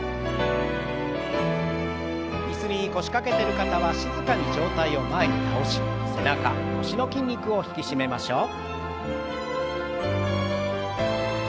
椅子に腰掛けてる方は静かに上体を前に倒し背中腰の筋肉を引き締めましょう。